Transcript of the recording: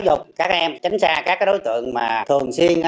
để các em có nhận thức đúng đắn